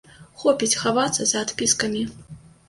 Хопіць хавацца за адпіскамі.